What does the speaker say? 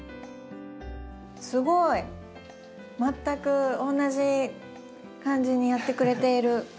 すごい！全く同じ感じにやってくれている。